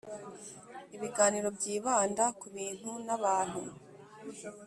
Ibiganiro byibanda ku bintu n abantu